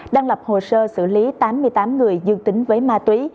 đang lập hồ sơ xử lý tám mươi tám người dương tính với ma túy